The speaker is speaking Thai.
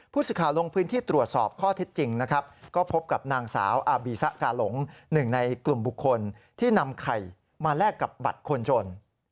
สิทธิ์ลงพื้นที่ตรวจสอบข้อเท็จจริงนะครับก็พบกับนางสาวอาบีซะกาหลงหนึ่งในกลุ่มบุคคลที่นำไข่มาแลกกับบัตรคนจน